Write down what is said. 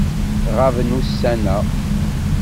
Ɣaben ussan-a.